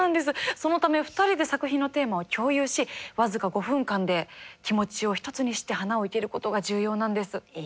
そのため２人で作品のテーマを共有し僅か５分間で気持ちを一つにして花をいけることが重要なんです。